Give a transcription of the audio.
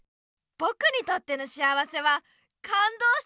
ぼくにとっての幸せはかんどうした時なんだ。